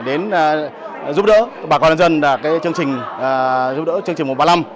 đến giúp đỡ bà con dân là chương trình giúp đỡ chương trình mùa ba mươi năm